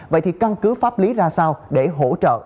vậy thì căn cứ pháp lý ra sao để hỗ trợ